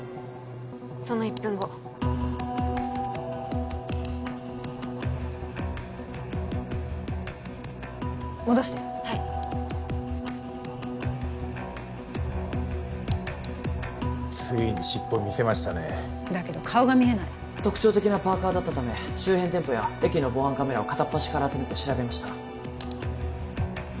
その１分後戻してはいついに尻尾見せましたねだけど顔が見えない特徴的なパーカーだったため周辺店舗や駅の防犯カメラを片っ端から集めて調べました